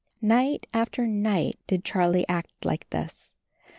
Night after night did Charlie act like this.